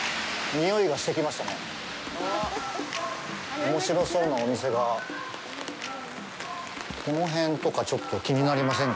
おもしろそうなお店がこの辺とか、ちょっと気になりませんか？